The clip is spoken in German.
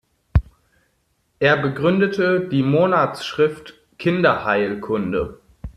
Er begründete die Monatsschrift Kinderheilkunde.